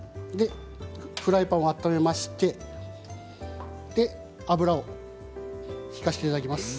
フライパンを温めまして油を引かせていただきます。